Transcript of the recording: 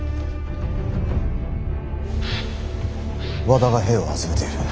和田が兵を集めている。